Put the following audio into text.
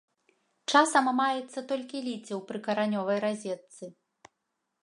Часам маецца толькі ліце ў прыкаранёвай разетцы.